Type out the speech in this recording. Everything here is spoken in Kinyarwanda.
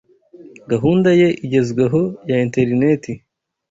gahunda ye igezweho ya interineti